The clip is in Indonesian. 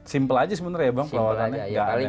simple aja sebenarnya ya bang perawatannya